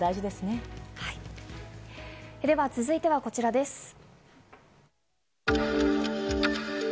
では続いてはこちらです。